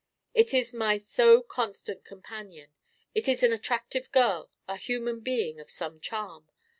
It is my so constant companion. It is an attractive girl, a human being of some charm.